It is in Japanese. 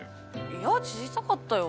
いや小さかったよ。